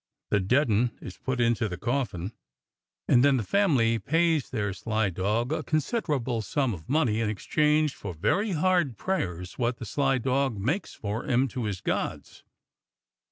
The dead 'un is put into the coffin, and then the family pays their sly dog a considerable sum o' money in exchange for very hard prayers wot the sly dog makes for 'em to his gods.